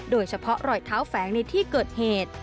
โดยเฉพาะรอยเท้าแฝงในที่เกิดเหตุ